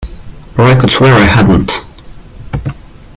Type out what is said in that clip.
Or I could swear I hadn't.